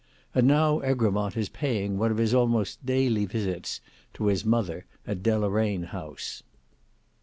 And now Egremont is paying one of his almost daily visits to his mother at Deloraine House.